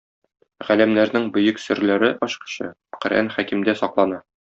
Галәмнәрнең Бөек Серләре ачкычы Коръән Хәкимдә саклана.